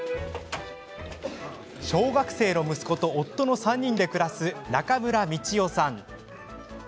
小学生の息子と夫の３人で暮らす中村美千代さん。